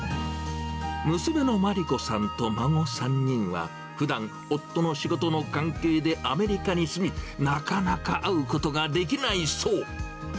娘のまり子さんと孫３人は、ふだん、夫の仕事の関係で、アメリカに住み、なかなか会うことができないそう。